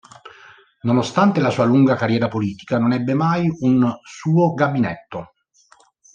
Nonostante la sua lunga carriera politica, non ebbe mai un suo gabinetto.